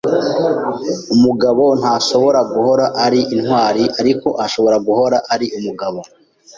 Umugabo ntashobora guhora ari intwari, ariko ashobora guhora ari umugabo.